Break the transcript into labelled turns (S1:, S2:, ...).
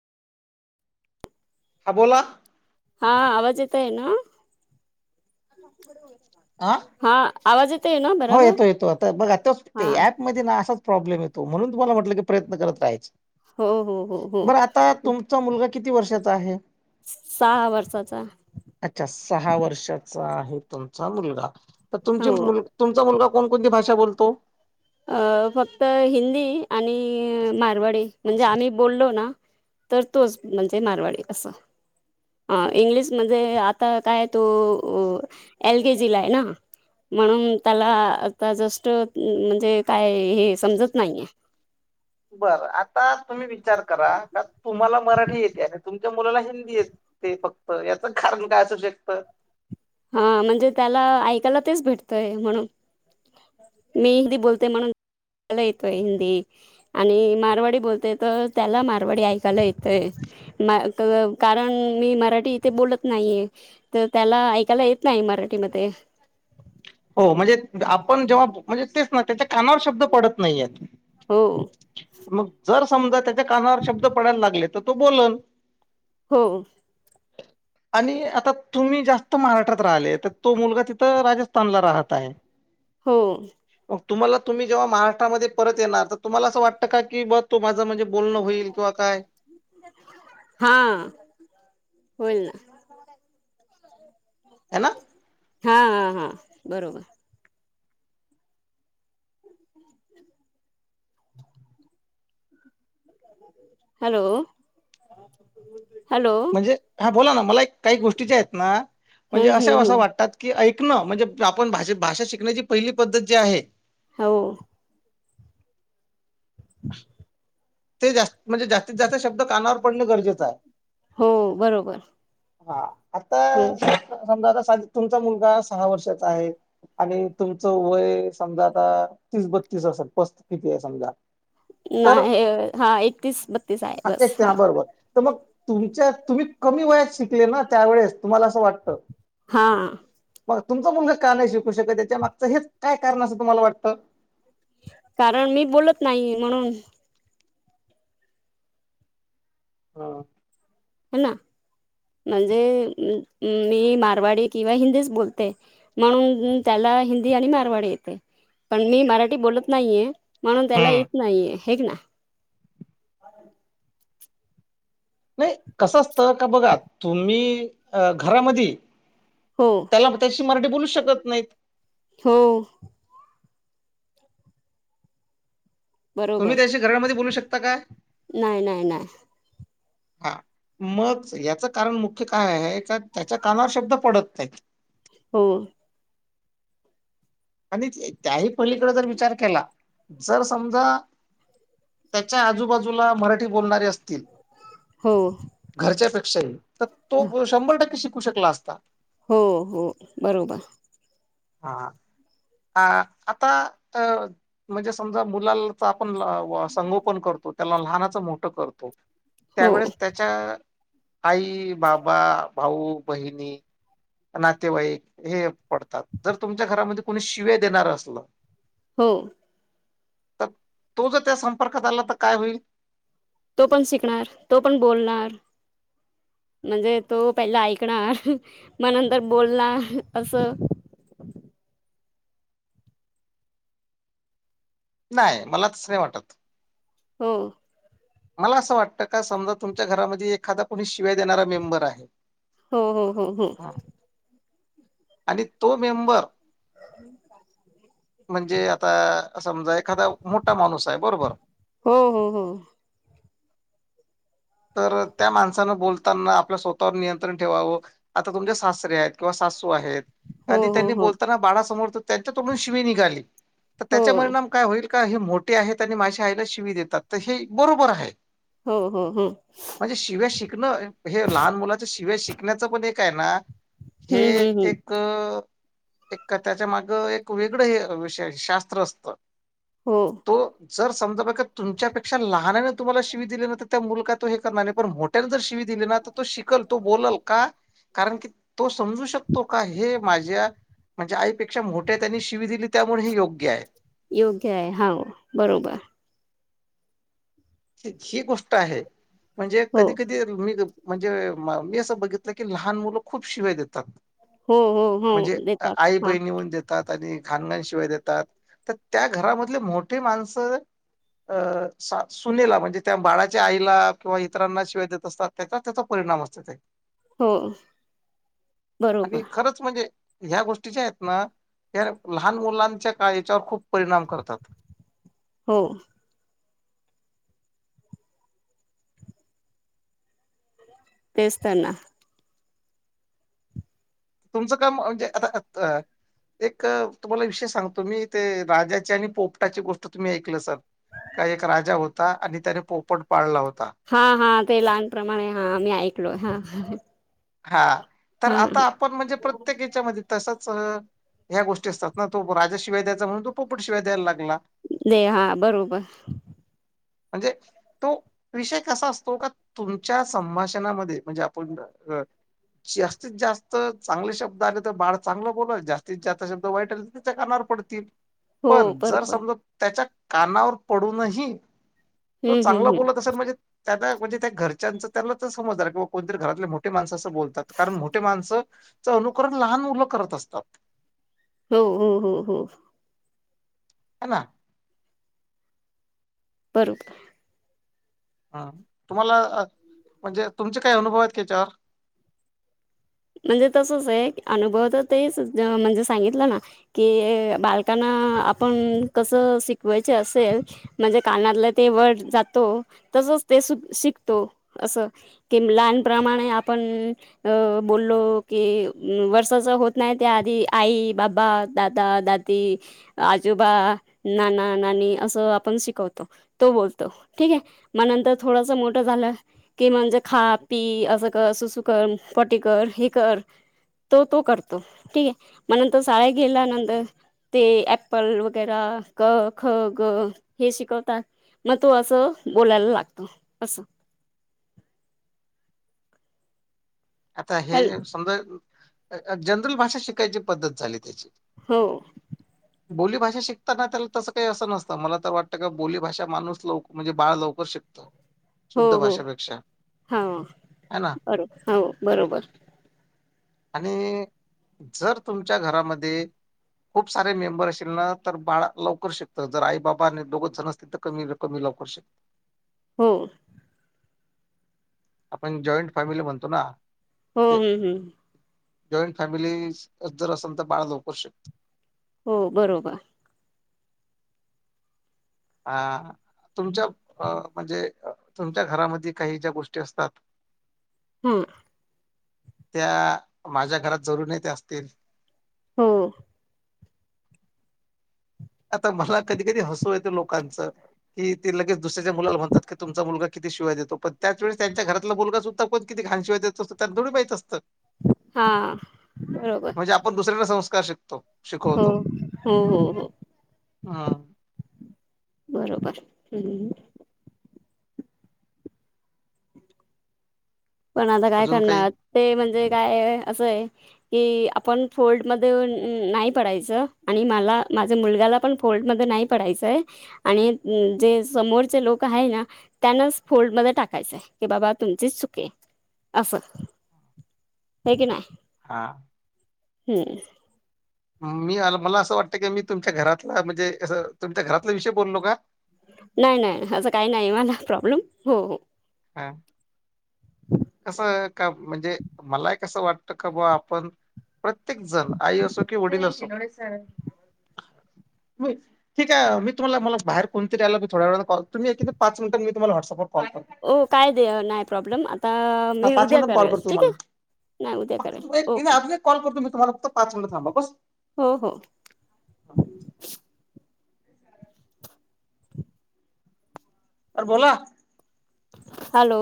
S1: हा बोला.
S2: हा आवाज येतय ना,
S1: आं
S2: हा आवाज येत आहे ना?
S1: हो
S2: बराबर
S1: येतो येतो आता बघ आता
S2: हा
S1: ऍपमध्येध्ये ना असाच प्रॉब्लेम येतो म्हणून तुम्हाला म्हटलं की प्रयत्न करत राहायचा
S2: हो हो हो हो
S1: बरं आता तुमचा मुलगा किती वर्षाचा आहे?
S2: सहा वर्षाचा.
S1: अच्छा सहा वर्षाचा आहे तुमचा मुलगा तर तुमची
S2: हो
S1: मुल. तुमचा मुला कोणती भाषा बोलतो?
S2: अ फक्त हिंदी आणि मारवाडी म्हणजे आम्ही बोललो ना तर तोच म्हणजे मारवाडी असं. ह इंग्लिशमध्ये आता कायय तो एल केेजी ला आहे ना? म्हणून त्याला आता जस्ट म्हणजे काय हे समजत नाहीये.
S1: [unintelligible] बरं आता तुम्ही विचार करा का तुम्हाला मराठी येते आणि तुमच्या मुलाला हिंदी येते. ते फक्त याच कारण काय असू शकत
S2: हा म्हणजे त्याला ऐकायला तेच भेटतय म्हणून मी हिंदी बोलते म्हणूनला येतोय हिंदी आणि मारवाडी बोलते तर त्याला मारवाडी ऐकायला येतय. कारण मी मराठी इथे बोलत नाहीये तर त्याला त्याला येत नाही मराठीमध्येध्ये
S1: हो म्हणजे आपण जेव्हा म्हणजे तेच ना त्याच्या कानावर शब्द पडत नाही आहेत.
S2: हो.
S1: मग जर समजा त्याच्या कानावर शब्द पडायला लागले तर तो बोलन
S2: हो.
S1: आणि आता तुम्ही जास्त महाराष्ट्रात राहिले तर तो मुलगा तिथं राजथान तांबला राहता आहे.
S2: हो.
S1: मग तुम्हाला तुम्ही जेव्हा महारा्रामध्ये परत येणार तर तुम्हाला असं वाटतं का की ब तो माझं म्हणजे बोलणं होईल किंवा काय?
S2: हा होई ना.
S1: ह ना.
S2: हा हा हा बरोबर. Hello hello.
S1: म्हणजे हा बोला ना मला एक काही गोष्टीच्या आहेत ना म्हणजे
S2: हम्म
S1: अशा
S2: हम्म
S1: असं
S2: हम्म
S1: वाटतात. की ऐकणं म्हणजे आपण भाषे भाषा शिकण्याची पहिली पद्धत जी आहे.
S2: हो.
S1: [unintelligible] ते जास्त म्हणजे जास्तीत जास्त शब्द कानावर पडणे गरजेचं आहे.
S2: हो बरोबर.
S1: हा आता
S2: हम्म
S1: समजा आता तुमचा मुलगा सहा वर्षाचा आहे. आणि तुमचं वय समजा आता तीस बत्तीस वर्षात पस्त किती आहे समजा.
S2: नाही हा एकतीस बत्तीस आहे
S1: हा
S2: बस
S1: एक ते हा बरोबर. तर मग तुमच्या तुम्ही कमी वयात शिकले ना त्यावेेळेस तुम्हाला असं वाटतं.
S2: हा
S1: मग तुमचं मुलंग का नाही शिकू शकत त्याच्या मागचं हेच काय कारण असं तुम्हाला वाटतं.
S2: कारण मी बोलत नाही म्हणून
S1: ह.
S2: ह ना म्हणजे मी मारवाडी किंवा हिंदीच बोलते. म्हणून त्याला हिंदी आणि मारवाडी येते पण मी मराठी बोलत नाहीये. म्हणून त्याला
S1: हम्म.
S2: येत नाही हे ना.
S1: नाही कसं असत का बघा तुम्ही अ घरामध्ये
S2: हो.
S1: त्या त्याशी मराठी बोलू शकत नाही.
S2: हो बरोबर
S1: तुम्ही त्याशी घरामध्ये बोलू शकता का
S2: नाही नाही नाही
S1: हा मग याचं कारण मुख्य काय आहे त्याच्या कानावर शब्द पडत नाहीत
S2: हम्म
S1: आणि त्याही पलीकडे जर विचार केला जर समजा त्याच्या आजूबाजूला मराठी बोलणारी असते
S2: हो
S1: घरच्या पेक्षाही तर तो शंभर टक्के शिकू शकला असता.
S2: हो हो बरोबर.
S1: हा ह. ह आता अ म्हणजे समजा मुलाचा आपण संगोपन करतो त्याला लहानाचं मोठं करतो
S2: हो
S1: त्यावेळेस त्याच्या आई बाबा. भाऊ बहिणी नातेवाईक हे पडतात जर तुमच्या घरामध्ये कोण शिवे्या देणार असल.
S2: हो
S1: तर तो जर त्या संपर्कात आला तर काय होईल
S2: तो पण शिकणार तो पण बोलणार म्हणजे तो पहिला ऐकणार मनांतर बोलणार असं
S1: नाही मला तच नाही वाटत
S2: हो
S1: मला असं वाटतं का समजा तुमच्या घरामध्ये एखादा कोणी शिवा देणारा मेंबर आहे
S2: हम् हम हम्म हम
S1: ह आणि तो मेंबर
S2: ह् का
S1: म्हणजे आता समजा एखादा मोठा माणूस आहे बरोबर
S2: हम् हम हम
S1: तर त्या माणसानं बोलताना आपल्या स्वतःवर नियंत्रण ठेवावं आता तुमच्या सासरे आहेत किंवा सासू आहेत
S2: हो
S1: आधी
S2: हो
S1: त्यांनी
S2: हो
S1: बोलताना बाळा समोर त्यांच्या तोडून शिवी निघाली तर
S2: हो
S1: त्याच्यामध्येणाम काय होईल का हे मोठे आहेत आणि माझ्या आईला शिवी देतात तर हे बरोबर आहे
S2: हो हो हो
S1: म्हणजे शिव्या शिकणं हे लहान मुलाच्या शिव्या शिकण्याचं पण एक आहे ना हे
S2: हम्म हम्म
S1: एक
S2: हम्म
S1: एक एक कथ्याच्या माग एक वेगळं हे विषय शास्त्र असतं
S2: हो
S1: तो जर समजा बघ तुमच्यापेक्षा लहानाने तुम्हाला शिवी दिले नाही तर त्या मुलात हे करणार नाही पण मोठ्याने जर शिवी दिले ना तर तो शिकल तो बोल का कारण की तो समजू शकतो का हे माझ्या म्हणजे आईपेक्षा मोठ्या त्यांनी शिवी दिली त्यामुळे हे योग्य आहे
S2: योग्य आहे हा बरोबर
S1: ही गोष्ट आहे म्हणजे
S2: हो
S1: कधी कधी मी म्हणजे मी असं बघितलं की लहान मुलं खूप शिवाय देतात
S2: हो हो
S1: म्हणजे
S2: हो देतात
S1: आई
S2: हा
S1: बहिणी होऊन देत आणि घाणगणशिवाय देतात तर त्या घरामधले मोठे माणसं अ स सुनेला म्हणजे त्या बाळाच्या आईला किंवा इतरांना शिवाय देत असतात त्याचा त्याचा परिणाम असत ते
S2: हो
S1: आणि
S2: बरोबर
S1: खरंच म्हणजे ह्या गोष्टीच्या आहेत ना या लहान मुलांच्या का याच्यावर खूप परिणाम करतात
S2: हो तेच त्यांना
S1: तुमचं काम म्हणजे आता अ एक तुम्हाला विषय सांगतो मी ते राजाची आणि पोपटाची गोष्ट तुम्ही ऐकलं सर का एक राजा होता आणि त्याने पोपट पाळला होता.
S2: हा हा ते लहानप्रमाणे हा मी ऐकलोय हा.
S1: हा तर
S2: हा
S1: आता आपण म्हणजे प्रत्येकाच्या मध्ये तसच. ह्या गोष्टी असतात ना तो राजा शिय द्यायचा म्हणून तो पोपट शिवाय द्यायला लागला.
S2: दे हा बरोबर
S1: म्हणजे तो विषय कसा असतो का तुमच्या संभाषणामध्ये म्हणजे आपण अ जास्तीत जास्त चांगले शब्द आले तर बाळ चांगलं बोललात जास्तीत जास्त शब्द वाईट आले तर त्या कान पडत
S2: हो
S1: पण जर
S2: बरोबर
S1: समजा त्याच्या कानावर पडूनही तो
S2: हम्म हम्म
S1: चांगला
S2: हम्म
S1: बोलत असेल म्हणजे त्या म्हणजे त्या घरच्याचं त्यांना समजणार किं कोणतरी घरातले मो मोठी माणस असं बोलतात कारण मोठे माणसंच अनुकरण लहान मुलं करत असतात.
S2: हो हो हो हो
S1: ह ना.
S2: बरोबर
S1: हम तुम्हाला म्हणजे तुमचे काय अनुभव आहेत त्याच्यावर
S2: म्हणजे तसच आहे अनुभव तर तेच म्हणजे सांगितलं ना. कि बालकांना आपण कसं शिकवायच असेल म्हणजे कानातलं ते वड जातो तसच ते शिकतो असं. किं लहानप्रमाणे आपण अ बोललो की वर्षाचं होत नाही त्याआधी आई बाबा दादा दाती आजोबा नाना नाणी असं आपण शिकवतो तो बोलतो ठीके मंतर थोडस मोठं झालं. कि म्हणजे खा पी असं कर सुसु कर पटी कर हे कर तो तो करतो ठीक आहे मग नंतर शाळ गेल्या नंतर ते अऍप्पल वगैरा क ख ग हे शिकवतात. मग तो असं बोलायला लागत असं
S1: आता हे
S2: हॅल
S1: समजा जनरल भाषा शिकायची पद्धत झाली त्याची
S2: हो
S1: [unintelligible] बोलीभाषा शिकताना त्याला तसं काही असं नसतं मला तर वाटतं का बोलीभाषा माणूस लवकर म्हणजे बाळ लवकर शिकत तर
S2: हो हो हा
S1: आहे ना?
S2: बरोब हो बरोबर.
S1: आणि जर तुमच्या घरामध्ये खूप सारे मेंबर असेल ना तर बाळा लवकर शिकत जर आई बाबा आणि दोघच जण असतील तर कमी कमी लवकर शक.
S2: हो.
S1: आपण जॉईंट फॅमिली म्हणतो ना.
S2: हम्
S1: ते
S2: हम हम्.
S1: जॉईंट फॅमिली जर असेल तर बाळ लवकरच शिकत.
S2: हो बरोबर.
S1: ह तुमच्या अ म्हणजे तुमच्या घरामध्ये काही ज्या गोष्टी असतात.
S2: हम्!
S1: त्या माझ्या घरात जरुर येत असतील.
S2: हो.
S1: आता मला कधी कधी हसू येतं लोकांचं कि ते लगेच दुसऱ्याच्या मुलाला म्हणतात की तुमचा मुलगा किती शिव्हा देतो, पण त्याच वेळेस त्यांच्या घरातला मुलगा सुद्धा पण किती घण शिवाय देत त्यांना थोडी माहित असतं.
S2: हा बरोबर.
S1: म्हणजे आपण दुसऱ्याना संस्कार शिकतो. शिकवतो
S2: हं हम हम हम.
S1: हा.
S2: बरोबर हम्म. पण आता काय
S1: अजून काही
S2: करणार ते म्हणजे काय असं आहे. कि आपण फोल्ड मध्ये नाही पडायचं आणि मला माझ्या मुलग्याला पण फोल्डमध्ये नाही. पडायचंय आणि जे समोरचे लोक आहे ना. त्यानच फोल्डमध्ये टाकायचंय की बाबा तुमची चुके अफ हे क ना.
S1: हा
S2: हम्म!
S1: मी मला असं वाटतं की मी तुमच्या घरातला म्हणजे असं तुमच्या घरातला विषय बोललो का.
S2: नाही नाही असं काही नाही मला प्रॉब्लेम हो हो.
S1: हा. कसं का म्हणजे मला एक कसं वाटतं का बा आपण प्रत्येक जण आई असो किंवा वडील असो. ठीक आहे, मी तुम्हाला बाहेर कोणतरी आला थोड्या वेळानं कॉल तुम्ही पाच मिनटात मी तुम्हाला व्हाट्सअँप वर कॉल करतो.
S2: हो काय दे नाही प्रॉब्लेम आता आ.
S1: हा
S2: मी
S1: पाच
S2: उद्या
S1: मिनिटांनी कॉल
S2: करेलस
S1: करतो
S2: ठीक
S1: तुम्हाला
S2: आहे नाही उद्या
S1: फक्त
S2: करेल
S1: तुम्ही एक
S2: ओके.
S1: नाही, अजून एक कॉल करतो मी तुम्हाला फक्त पाच मिनट थांबा बस.
S2: हो हो.
S1: [inaudible] अर बोला.
S2: हॅलो.